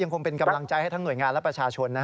คงเป็นกำลังใจให้ทั้งหน่วยงานและประชาชน